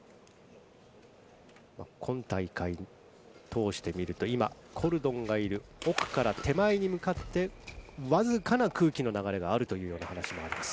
今大会、通してみると今、コルドンがいる奥から手前に向かってわずかな空気の流れがあるという話があります。